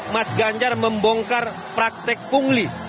mas ganjar membongkar praktek pungli